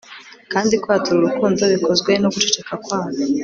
Kandi kwatura urukundo bikozwe no guceceka kwabo